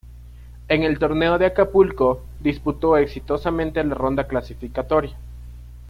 En el Torneo de Acapulco, disputó exitosamente la ronda clasificatoria.